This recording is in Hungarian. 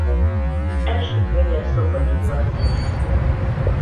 Első férje Szombathy Gyula színész volt.